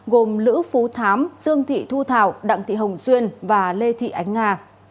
gồm lữ phú thám dương thị thu thảo đặng thị hồng xuyên và lê thị ánh nga